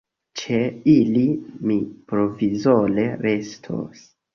Ĉe ili mi provizore restos.